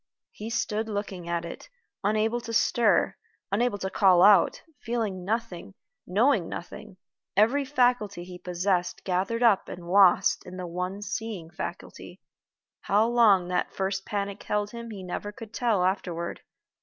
He stood looking at it, unable to stir, unable to call out feeling nothing, knowing nothing every faculty he possessed gathered up and lost in the one seeing faculty. How long that first panic held him he never could tell afterward.